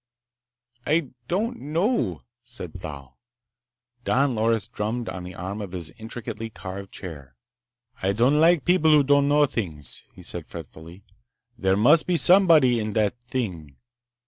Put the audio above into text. "I don't know," said Thal. Don Loris drummed on the arm of his intricately carved chair. "I don't like people who don't know things!" he said fretfully. "There must be somebody in that—thing.